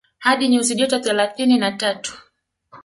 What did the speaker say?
Hadi nyuzi joto thelathini na tatu